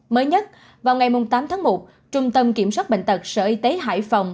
mới nhất vào ngày tám tháng một trung tâm kiểm soát bệnh tật sở y tế hải phòng